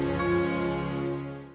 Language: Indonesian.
aku sudah selesai